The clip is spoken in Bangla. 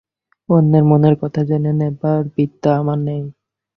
অন্যের মনের কথা জেনে নেবার বিদ্যা আমার নেই।